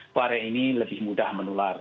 varian ini lebih mudah menular